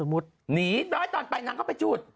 หนีท่อนไปนั้นก็ไปจุด